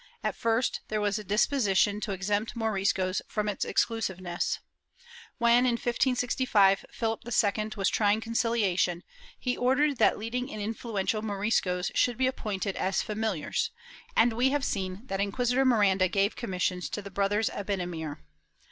At first there was a disposition to exempt Moriscos from its exclusiveness. When, in 1565, Philip II was trying conciliation he ordered that leading and influential Moriscos should be appointed as familiars, and we have seen that Inquisitor Miranda gave commissions to the brothers Abenamir.